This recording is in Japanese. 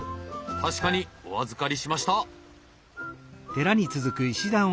確かにお預かりしました。